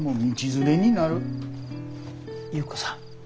優子さん